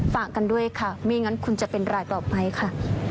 ฝากกันด้วยค่ะไม่งั้นคุณจะเป็นรายต่อไปค่ะ